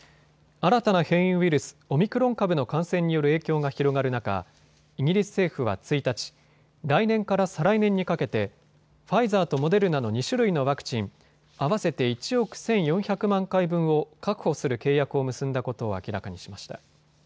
新たな変異ウイルス、オミクロン株の感染による影響が広がる中、イギリス政府は１日、来年から再来年にかけてファイザーとモデルナの２種類のワクチン合わせて１億１４００万回分を確保する契約を結んだことを明らかにしました。